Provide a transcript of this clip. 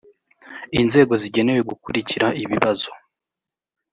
inzego zigenewe guukurikira ibibazo.